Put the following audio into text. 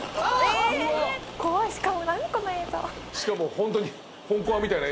しかもホントに。